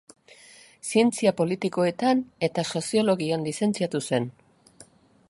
Zientzia Politikoetan eta Soziologian lizentziatu zen.